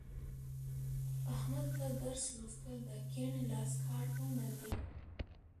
احمد ته درس لوستل د کیڼ لاس کار هم نه دی.